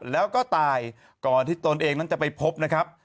แล้วก็ตายก่อนที่ตนเองนั้นจะไปพบนะครับ